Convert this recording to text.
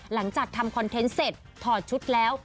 หลังจากทำคอนเทนต์เสร็จถอดชุดแล้ว